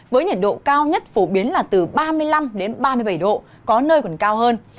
với nhiệt độ cao nhất phổ biến là từ ba mươi năm đến ba mươi bảy độ có nơi còn cao hơn